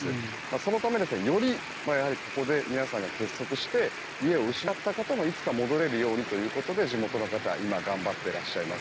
そのためよりここで皆さんが結束して家を失った方もいつか戻れるようにということで地元の方は今頑張ってらっしゃいます。